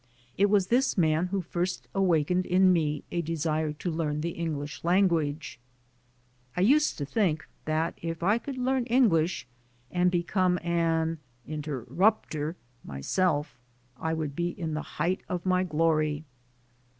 It was this man who first awakened in me a desire to learn the Eng lish language. I used to think that if I could learn English and become an "interrupter" myself, I would be in the height of my glory.